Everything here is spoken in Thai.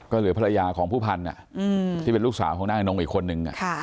ก็เหลือภรรยาของผู้พันธุ์ที่เป็นลูกสาวของนางอนงอีกคนนึง